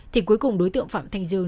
thì cuối cùng đối tượng phạm thanh dương